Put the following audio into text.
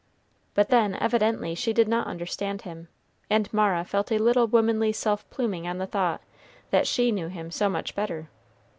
But then evidently she did not understand him, and Mara felt a little womanly self pluming on the thought that she knew him so much better.